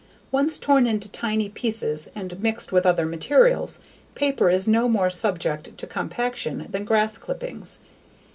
Once torn into tiny pieces and mixed with other materials, paper is no more subject to compaction than grass clippings.